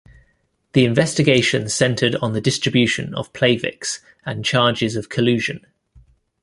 The investigation centered on the distribution of Plavix and charges of collusion.